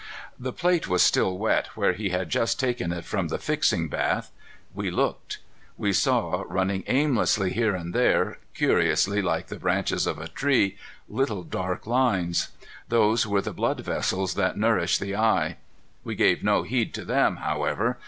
The plate was still wet, where he had just taken it from the fixing bath. We looked. We saw, running aimlessly here and there, curiously like the branches of a tree, little dark lines. Those were the blood vessels that nourished the eye. We gave no heed to them, however.